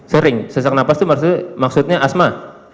sering sesak nafas itu maksudnya asma